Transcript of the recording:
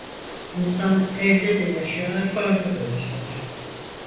İnsan evde de yaşar, barda da yaşar.